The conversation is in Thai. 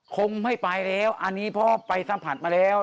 คงไม่ไปแล้วอันนี้เพราะไปสัมผัสมาแล้ว